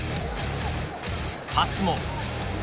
パスも。